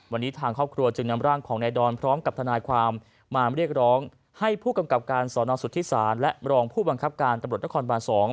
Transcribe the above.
วันนี้ทางครอบครัวจึงนำร่างของนายดอนพร้อมกับทนายความมาเรียกร้องให้ผู้กำกับการสอนอสุทธิศาลและรองผู้บังคับการตำรวจนครบาน๒